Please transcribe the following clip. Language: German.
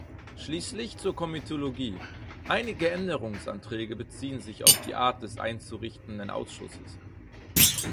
Schließlich zur Komitologie: Einige Änderungsanträge beziehen sich auf die Art des einzurichtenden Ausschusses.